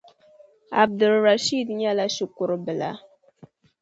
Abdul Rashid nyɛla Shikurubila